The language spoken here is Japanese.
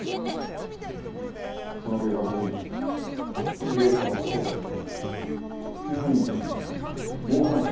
その計画に経営社の香西さんも厩務員たちも猛反対した。